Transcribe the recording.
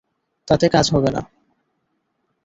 তাতে কাজ হবে না।